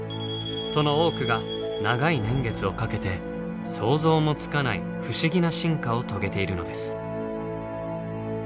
その多くが長い年月をかけて想像もつかない不思議な進化を遂げているのです。